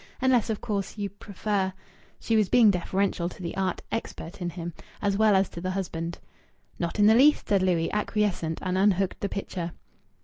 Unless, of course, you prefer...." She was being deferential to the art expert in him, as well as to the husband. "Not in the least!" said Louis, acquiescent, and unhooked the picture.